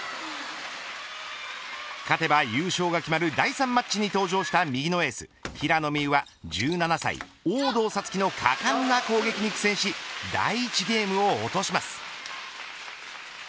勝てば優勝が決まる第３マッチに登場した右のエース平野美宇は、１７歳大藤沙月の果敢な攻撃に苦戦し第１ゲームを落とします。